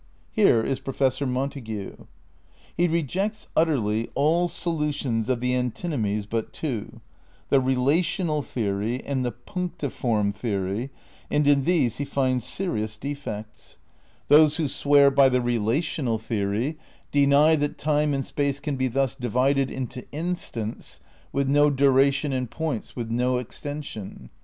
Here is Professor Montague. He rejects utterly all solutions of the antinomies but two: the "relational" theory and the "punctiform" theory, and in these he finds serious defects. Those 144 THE NEW IDEALISM iv who swear by the relational theory deny that time and space can be thus divided into instants with no dura tion and points with no extension.